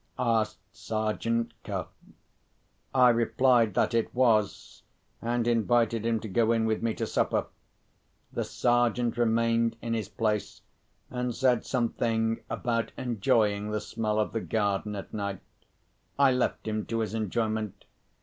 asked Sergeant Cuff. I replied that it was, and invited him to go in with me to supper. The Sergeant remained in his place, and said something about enjoying the smell of the garden at night. I left him to his enjoyment.